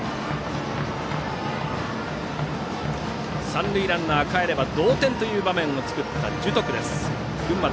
三塁ランナー、かえれば同点という場面、樹徳。